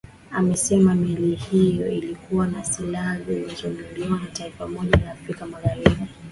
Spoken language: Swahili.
amesema meli hiyo ilikuwa na silaha zilizonunuliwa na taifa moja ya afrika magharibi